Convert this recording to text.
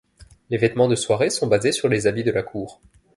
Les vêtements de soirée sont basés sur les habits de la cour.